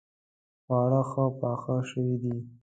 خواړه ښه پخ شوي دي